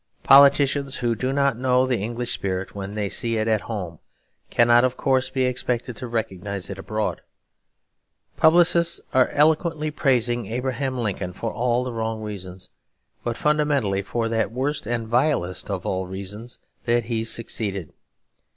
Politicians who do not know the English spirit when they see it at home, cannot of course be expected to recognise it abroad. Publicists are eloquently praising Abraham Lincoln, for all the wrong reasons; but fundamentally for that worst and vilest of all reasons that he succeeded.